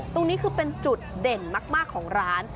ตรงนี้คือเป็นจุดเด่นมากของร้าน